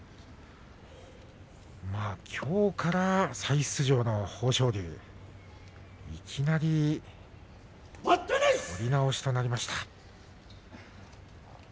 きょうから再出場の豊昇龍いきなり取り直しとなりました。